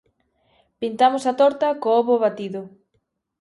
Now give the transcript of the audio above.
Pintamos a torta co ovo batido.